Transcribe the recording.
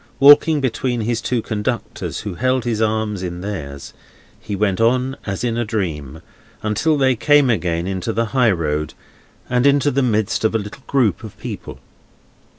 Walking between his two conductors, who held his arms in theirs, he went on, as in a dream, until they came again into the high road, and into the midst of a little group of people.